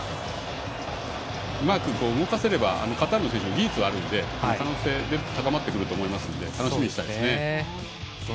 うまく動かせればカタールの選手も技術はあるので、可能性高まっているので楽しみにしたいですね。